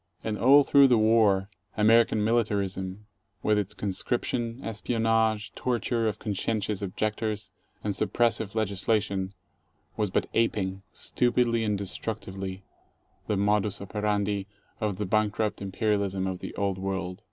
And all through the war American militarism, with its conscription, espionage, torture of conscientious objectors, and suppressive legislation, was but aping— stupidly and destructively — the modus operandi of the bankrupt imperialism of the Old World.